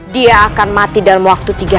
dia akan mati dalam waktu tiga hari